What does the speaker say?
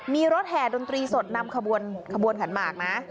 มีรถแห่ดนตรีสดนำขบวนขบวนขันหมากนะ